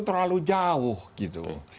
terlalu jauh gitu